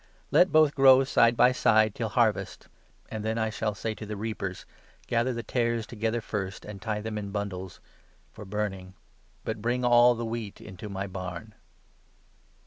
Let both grow 30 side by side till harvest ; and then I shall say to the reapers, Gather the tares together first, and tie them in bundles for burning ; but bring all the wheat into my barn.'